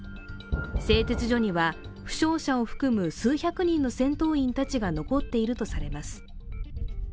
製鉄所には負傷者を含む数百人の戦闘員たちが残っているとされます。